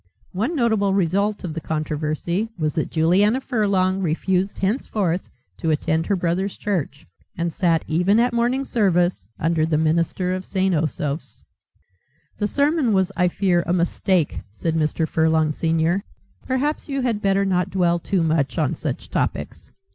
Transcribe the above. One notable result of the controversy was that Juliana Furlong refused henceforth to attend her brother's church and sat, even at morning service, under the minister of St. Osoph's. "The sermon was, I fear, a mistake," said Mr. Furlong senior; "perhaps you had better not dwell too much on such topics.